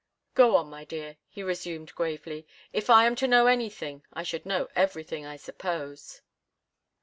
"Go on, my dear," he resumed gravely. "If I'm to know anything, I should know everything, I suppose."